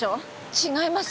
違います！